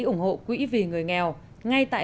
ủng hộ quỹ vì người nghèo ngay tại